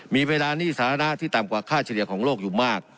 มีเวลาหนี้สาธารณะที่ต่ำกว่าค่าเฉลี่ยของโลกอยู่มาก